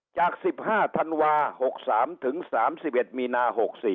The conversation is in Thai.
จาก๑๕ธันวา๖๓ถึง๓๑มีนา๖๔